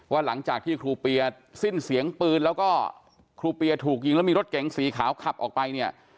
หลังจากที่ครูเปียสิ้นเสียงปืนแล้วก็ครูเปียถูกยิงแล้วมีรถเก๋งสีขาวขับออกไปเนี่ย